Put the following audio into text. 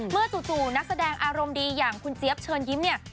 จู่นักแสดงอารมณ์ดีอย่างคุณเจี๊ยบเชิญยิ้มเนี่ย